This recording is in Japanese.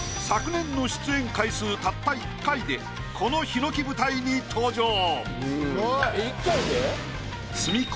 昨年の出演回数たった１回でこのひのき舞台に登場。